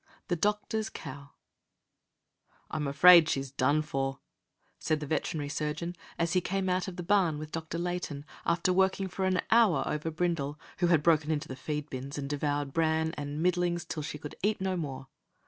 THE DOCTOR'S COW "I am afraid she is done for," said the veterinary surgeon as he came out of the barn with Dr. Layton, after working for an hour over Brindle, who had broken into the feed bins, and devoured bran and middlings until she could eat no more.